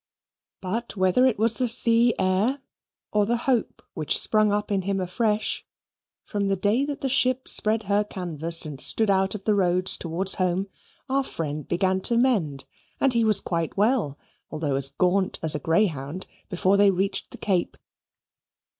But whether it was the sea air, or the hope which sprung up in him afresh, from the day that the ship spread her canvas and stood out of the roads towards home, our friend began to amend, and he was quite well (though as gaunt as a greyhound) before they reached the Cape.